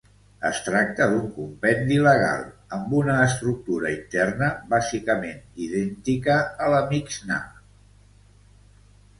Es tracta d'un compendi legal, amb una estructura interna bàsicament idèntica a la Mixnà.